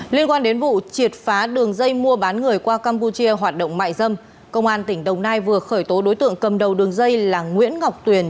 liên quan đến vụ triệt phá đường dây mua bán người qua campuchia hoạt động mại dâm công an tỉnh đồng nai vừa khởi tố đối tượng cầm đầu đường dây là nguyễn ngọc tuyền